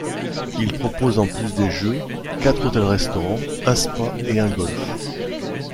Il propose, en plus des jeux, quatre hôtels-restaurants, un spa et un golf.